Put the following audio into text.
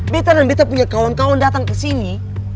betan dan betay punya kawan kawan datang kesini